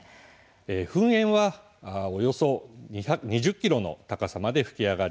噴煙はおよそ２０ｋｍの高さまで噴き上がり